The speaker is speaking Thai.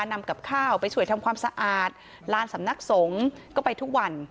นำกับข้าวไปช่วยทำความสะอาดลานสำนักสงฆ์ก็ไปทุกวัน